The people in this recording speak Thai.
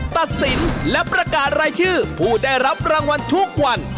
ตัดสินและประกาศรายชื่อผู้ได้รับรางวัลทุกวัน